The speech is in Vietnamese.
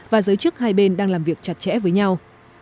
và giới chức hai bên đang làm việc chặt chẽ với nhau